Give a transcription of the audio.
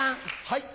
はい。